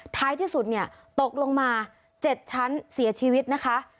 ท้ายที่สุดเนี่ยตกลงมา๗ชั้นเสียชีวิตนะคะ